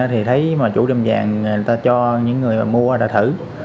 thì thấy mà chủ tiệm vàng người ta cho những người mua ra thử